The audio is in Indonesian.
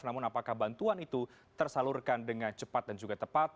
namun apakah bantuan itu tersalurkan dengan cepat dan juga tepat